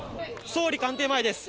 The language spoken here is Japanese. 総理官邸前です。